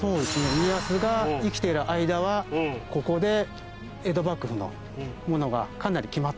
家康が生きている間はここで江戸幕府のものがかなり決まっていたのかなと。